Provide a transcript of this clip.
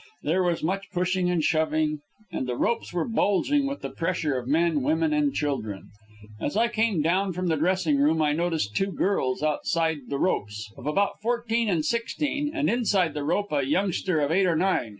There was much pushing and shoving, and the ropes were bulging with the pressure of men, women and children. As I came down from the dressing room I noticed two girls outside the ropes, of about fourteen and sixteen, and inside the rope a youngster of eight or nine.